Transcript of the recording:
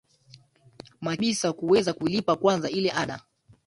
makini kabisa kuweza kulipa kwanza ile ada